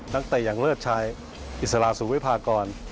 เตะอย่างเลิศชายอิสระสุวิพากร